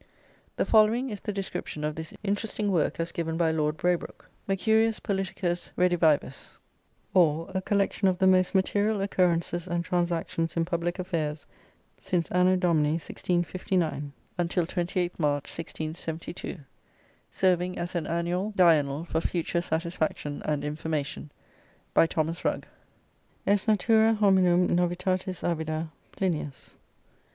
The following is the description of this interesting work as given by Lord Braybrooke "MERCURIUS POLITICUS REDIVIVUS; or, A Collection of the most materiall occurrances and transactions in Public Affairs since Anno Dni, 1659, untill 28 March, 1672, serving as an annuall diurnall for future satisfaction and information, BY THOMAS RUGGE. Est natura hominum novitatis avida. Plinius.